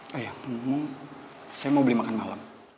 mau k administered beli makan malem